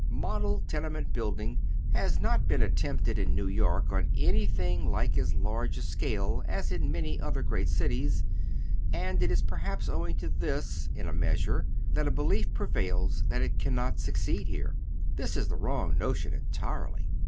Model tene ment building has not been attempted in New York on anything like as large a scale as in many other great cities, and it is perhaps owing to this, in a measure, that a belief prevails that it cannot succeed here. This is a wrong no tion entirely.